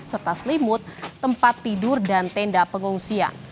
serta selimut tempat tidur dan tenda pengungsian